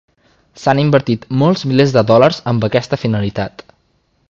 S'han invertit molts milers de dòlars amb aquesta finalitat.